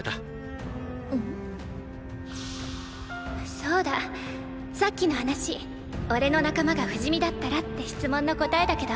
そうださっきの話おれの仲間が不死身だったらって質問の答えだけど。